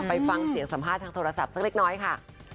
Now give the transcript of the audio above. ไปฟังเสียงสัมภาษณ์ทางโทรศัพท์สักเล็กน้อยค่ะ